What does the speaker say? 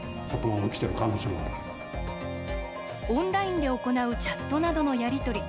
オンラインで行うチャットなどのやり取り。